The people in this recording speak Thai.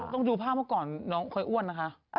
ต้องดูภาพเมื่อก่อนน้องเคยอ้วนนะคะ